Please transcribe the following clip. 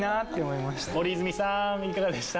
いかがでした？